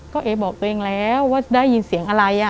ก็เอ๊บอกตัวเองแล้วว่าได้ยินเสียงอะไร